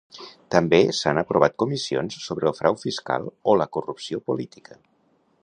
També s'han aprovat comissions sobre el frau fiscal o la corrupció política.